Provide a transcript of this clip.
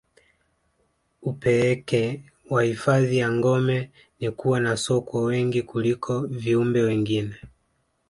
upeeke wa hifadhi ya gombe ni kuwa na sokwe wengi kuliko viumbe wengine